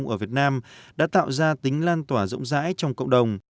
nhiều dự án của việt nam đã tạo ra tính lan tỏa rộng rãi trong cộng đồng